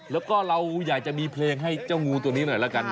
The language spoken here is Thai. แล้วก็เราอยากจะมีเพลงให้เจ้างูตัวนี้หน่อยละกัน